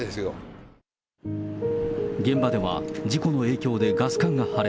現場では、事故の影響でガス管が破裂。